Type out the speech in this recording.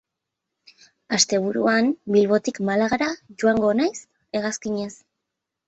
Asteburuan Bilbotik Malagara joango naiz hegazkinez.